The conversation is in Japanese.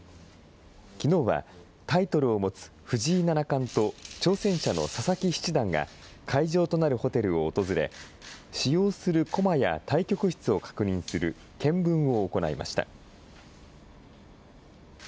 きのうはタイトルを持つ藤井七冠と挑戦者の佐々木七段が、会場となるホテルを訪れ、使用する駒や対局室を確認する検分を行いました。